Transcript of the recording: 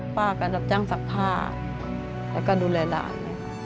ป้าก็รับจ้างซักผ้าแล้วก็ดูแลหลาน